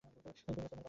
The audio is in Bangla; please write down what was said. যুবরাজ তোমারই বটে।